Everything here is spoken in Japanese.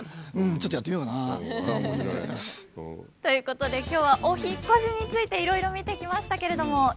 ということで今日はお引っ越しについていろいろ見てきましたけれども。